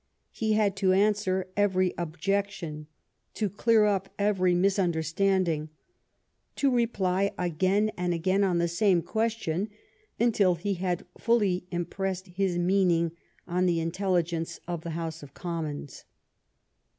He had to answer every objection, to clear up every misunderstanding, to reply again and again on the same question until he had fully impressed his meaning on the intel ligence of the House of Commons.